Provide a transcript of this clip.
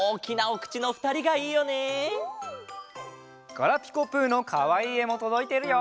ガラピコぷのかわいいえもとどいてるよ。